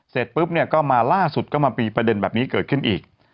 เสร็จปุ๊บเนี่ยก็มาล่าสุดก็มามีประเด็นแบบนี้เกิดขึ้นอีก